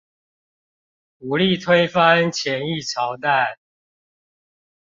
武力推翻前一朝代